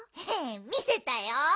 みせたよ。